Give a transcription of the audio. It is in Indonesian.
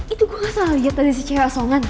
itu gue gak salah liat tadi si cewek asongan